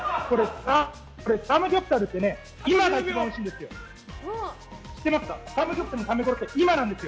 サムギョプサルって今が一番おいしいんですよ。